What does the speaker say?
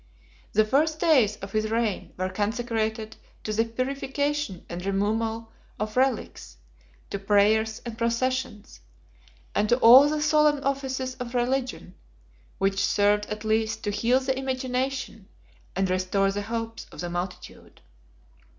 The first days of his reign were consecrated to the purification and removal of relics, to prayers and processions, and to all the solemn offices of religion, which served at least to heal the imagination, and restore the hopes, of the multitude.